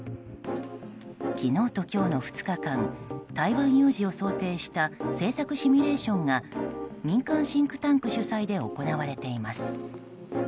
昨日と今日の２日間台湾有事を想定した政策シミュレーションが民間シンクタンク主催で行われています。